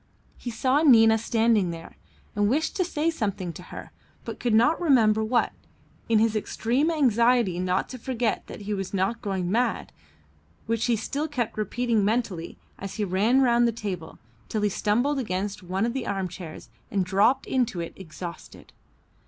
He saw Nina standing there, and wished to say something to her, but could not remember what, in his extreme anxiety not to forget that he was not going mad, which he still kept repeating mentally as he ran round the table, till he stumbled against one of the arm chairs and dropped into it exhausted.